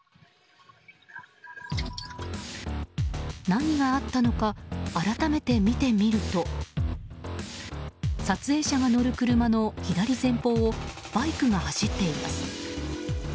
何があったのか改めて見てみると撮影者が乗る車の左前方をバイクが走っています。